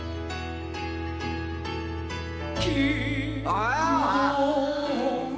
「ああ！」